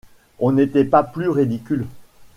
On n’était pas plus ridicule!...